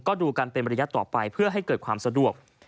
ก็ดูกันเป็นระยะต่อไปเพื่อให้เกิดความสะดวก